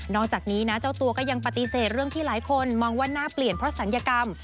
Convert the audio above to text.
จากนี้นะเจ้าตัวก็ยังปฏิเสธเรื่องที่หลายคนมองว่าหน้าเปลี่ยนเพราะศัลยกรรม